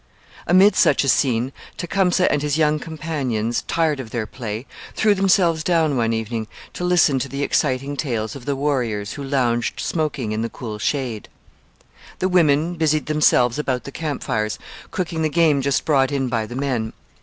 Amid such a scene Tecumseh and his young companions, tired of their play, threw themselves down one evening to listen to the exciting tales of the warriors who lounged smoking in the cool shade. The women busied themselves about the camp fires cooking the game just brought in by the men.